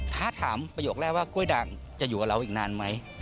ถามประโยคแรกว่ากล้วยด่างจะอยู่กับเราอีกนานไหม